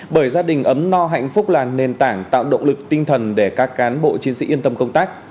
bởi gia đình ấm no hạnh phúc là nền tảng tạo động lực tinh thần để các cán bộ chiến sĩ yên tâm công tác